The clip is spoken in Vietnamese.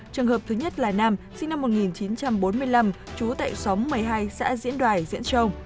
trường hợp thứ nhất là nam sinh năm một nghìn chín trăm bốn mươi năm trú tại xóm một mươi hai xã diễn đoài diễn châu